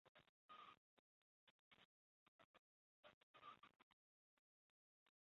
各角色会以迷你角色在短篇中登场。